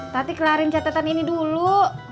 tati kelarin catatan ini dulu